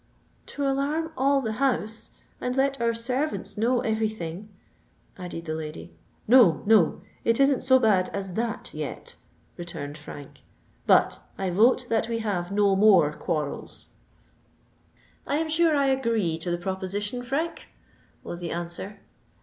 "To alarm all the house, and let our servants know every thing," added the lady. "No—no: it isn't so bad as that yet," returned Frank. "But I vote that we have no more quarrels." "I am sure I agree to the proposition, Frank," was the answer.